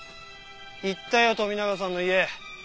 行ったよ富永さんの家。